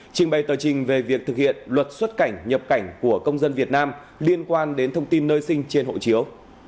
trình bày tờ trình về việc thực hiện luật xuất cảnh nhập cảnh của công dân việt nam liên quan đến thông tin nơi sinh trên hộ chiếu